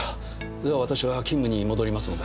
では私は勤務に戻りますので。